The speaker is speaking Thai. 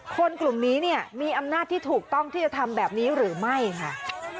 กลุ่มนี้เนี่ยมีอำนาจที่ถูกต้องที่จะทำแบบนี้หรือไม่ค่ะ